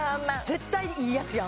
絶対いいやつやん